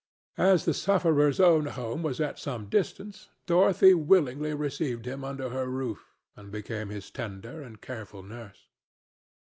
As the sufferer's own home was at some distance, Dorothy willingly received him under her roof and became his tender and careful nurse.